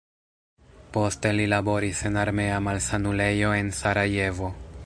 Poste li laboris en armea malsanulejo en Sarajevo.